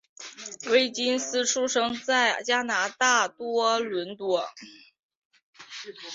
威金斯出生在加拿大多伦多。